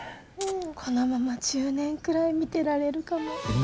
このまま１０年くらい見てられるかも。